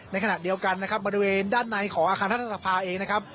ในขณะเดียวกันบริเวณด้านในของอาคารทรัศนภา